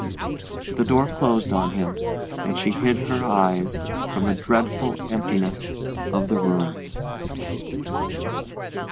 The door closed on him, and she hid her eyes from the dreadful emptiness of the room.